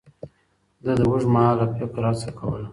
ده د اوږدمهاله فکر هڅه کوله.